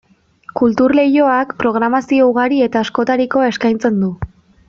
Kultur Leioak programazio ugari eta askotarikoa eskaintzen du.